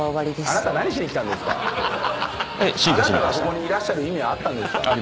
あなたがここにいらっしゃる意味はあったんですか